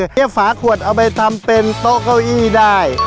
ให้ฝาขวดเอาไปทำเป็นโต๊ะเก้าอี้ได้